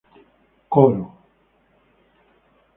Coro: